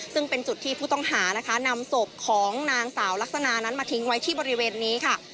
ซึ่งเป็นจุดที่ผู้ต้องหานะคะนำศพของนางสาวลักษณะนั้นมาทิ้งไว้ที่บริเวณนี้ค่ะ